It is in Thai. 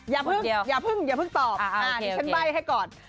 อย่าเพิ่งตอบดิฉันใบ้ให้ก่อน